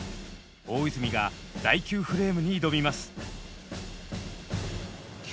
大泉が第９フレームに挑みます。